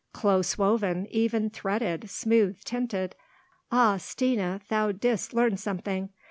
"Close woven, even threaded, smooth tinted! Ah, Stina, thou didst learn something!